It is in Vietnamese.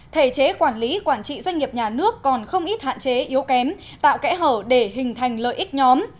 thể chế quản lý quản trị doanh nghiệp nhà nước còn không ít hạn chế yếu kém tạo kẽ hở để hình thành lợi ích nhóm